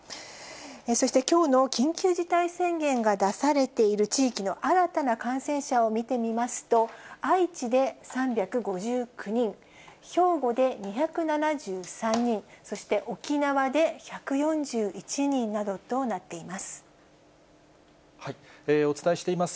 そしてきょうの緊急事態宣言が出されている地域の新たな感染者を見てみますと、愛知で３５９人、兵庫で２７３人、そして沖縄で１４１人などとなっています。